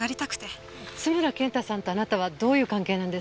津村健太さんとあなたはどういう関係なんですか？